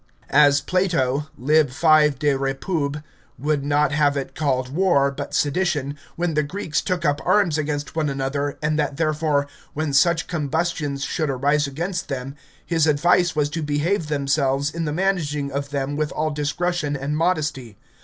As Plato, Lib. 5 de Repub., would not have it called war, but sedition, when the Greeks took up arms against one another, and that therefore, when such combustions should arise amongst them, his advice was to behave themselves in the managing of them with all discretion and modesty.